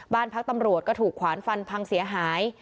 บ้านพักตำรวจก็ถูกขวานฟันพังเสียหาย